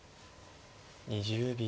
２０秒。